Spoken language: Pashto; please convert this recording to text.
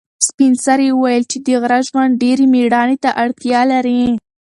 سپین سرې وویل چې د غره ژوند ډېر مېړانې ته اړتیا لري.